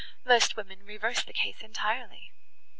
Most women reverse the case entirely."